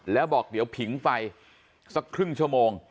แล้วบอกเดี๋ยวผิงไฟสักครึ่งชั่วโมง